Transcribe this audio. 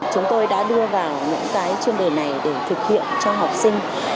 chúng tôi đã đưa vào những cái chuyên đề này để thực hiện cho học sinh